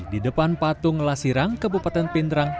di depan patung lasirang kabupaten pindrang